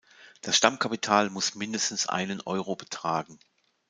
Das Stammkapital muss mindestens einen Euro betragen.